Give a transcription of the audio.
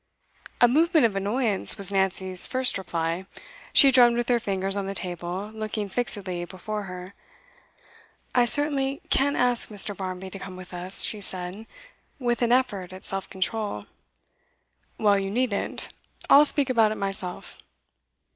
A movement of annoyance was Nancy's first reply. She drummed with her fingers on the table, looking fixedly before her. 'I certainly can't ask Mr. Barmby to come with us,' she said, with an effort at self control. 'Well, you needn't. I'll speak about it myself.